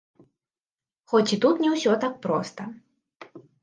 Хоць і тут не ўсё так проста.